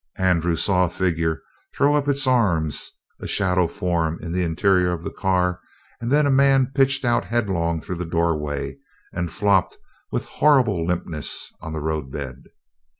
Andrew saw a figure throw up its arms, a shadow form in the interior of the car, and then a man pitched out headlong through the doorway and flopped with horrible limpness on the roadbed.